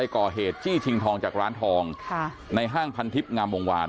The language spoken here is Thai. ก่อเหตุจี้ชิงทองจากร้านทองในห้างพันทิพย์งามวงวาน